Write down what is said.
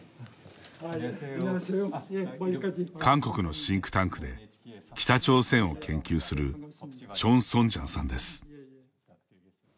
韓国のシンクタンクで北朝鮮を研究するチョン・ソンジャンさんです。